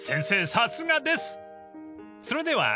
さすがです］